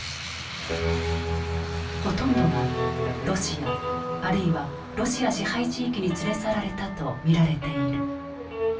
ほとんどがロシアあるいはロシア支配地域に連れ去られたと見られている。